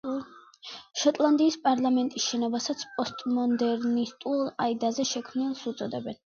შოტლანდიის პარლამენტის შენობასაც პოსტმოდერნისტულ ყაიდაზე შექმნილს უწოდებენ.